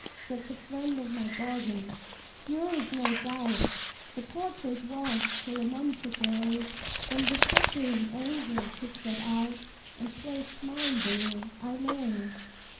Said the friend of my bosom, "Yours, no doubt, The portrait was, till a month ago, When this suffering angel took that out, And placed mine there, I know."